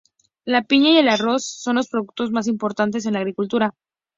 La piña y el arroz son los productos más importantes en la agricultura.